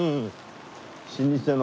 老舗の。